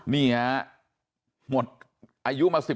นี่ฮะหมดอายุมา๑๕